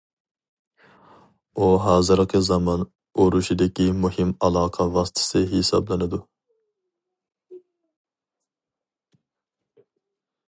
ئۇ ھازىرقى زامان ئۇرۇشىدىكى مۇھىم ئالاقە ۋاسىتىسى ھېسابلىنىدۇ.